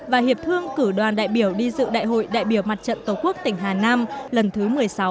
và hiệp thương cử đoàn đại biểu đi dự đại hội đại biểu mặt trận tổ quốc tỉnh hà nam lần thứ một mươi sáu